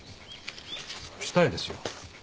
したいですよ。